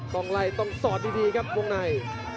ต้องไล่ต้องสอดดีครับวงใน